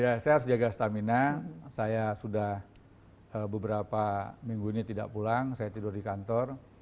ya saya harus jaga stamina saya sudah beberapa minggu ini tidak pulang saya tidur di kantor